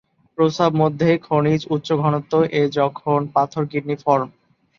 প্রস্রাব মধ্যে খনিজ উচ্চ ঘনত্ব এ যখন পাথর কিডনি ফর্ম।